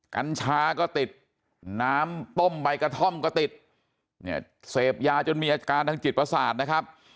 กัญชาก็ติดน้ำต้มใบกระท่อมก็ติดเนี่ยเสพยาจนมีอาการทางจิตประสาทนะครับ